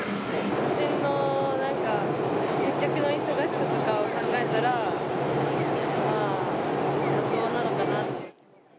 都心のなんか、接客の忙しさとかを考えたら、まあ、妥当なのかなって。